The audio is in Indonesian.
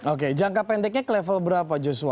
oke jangka pendeknya ke level berapa joshua